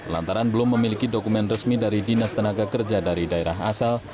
lantaran belum memiliki dokumen resmi dari dinas tenaga kerja dari daerah asal